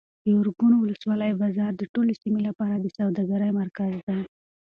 د ارګون ولسوالۍ بازار د ټولې سیمې لپاره د سوداګرۍ مرکز دی.